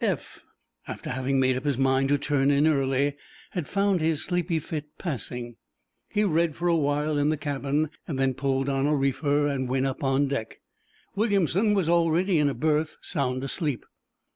Eph, after having made up his mind to turn in early, had found his sleepy fit passing. He read for a while in the cabin, then pulled on a reefer and went up on deck. Williamson was already in a berth, sound asleep.